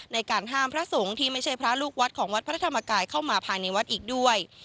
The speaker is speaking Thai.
ในการห้ามพระสงฆ์ที่ไม่ใช่พระลูกวัดของวัดพระธรรมกายเข้ามาภายในวัดอีกด้วย